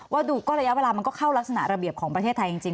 ดูก็ระยะเวลามันก็เข้ารักษณะระเบียบของประเทศไทยจริง